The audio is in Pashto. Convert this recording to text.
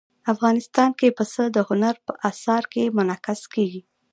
افغانستان کې پسه د هنر په اثار کې منعکس کېږي.